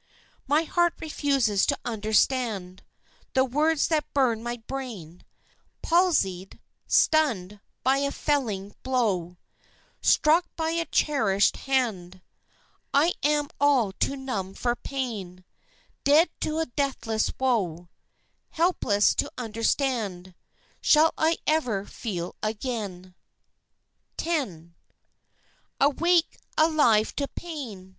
_" My heart refuses to understand The words that burn my brain; Palsied, stunned by a felling blow Struck by a cherished hand, I am all too numb for pain; Dead to a deathless woe, Helpless to understand, Shall I ever feel again? X. Awake, alive to pain!